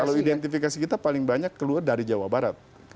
kalau identifikasi kita paling banyak keluar dari jawa barat